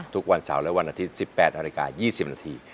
ทุกวันเสาร์และวันอาทิตย์๑๘นาฬิกา๒๐นาที